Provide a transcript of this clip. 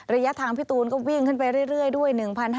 ระยะทางพี่ตูนก็วิ่งขึ้นไปเรื่อยด้วย